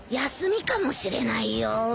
休みかもしれないよ。